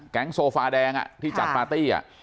โซฟาแดงที่จัดปาร์ตี้